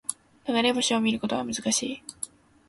流れ星を見ることは難しい